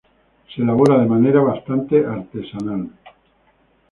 Se elabora de manera bastante artesanal.